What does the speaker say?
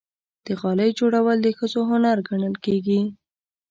د غالۍ جوړول د ښځو هنر ګڼل کېږي.